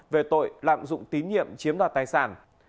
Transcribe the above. về tội lạm dụng tín nhiệm chiếm đoạt tài sản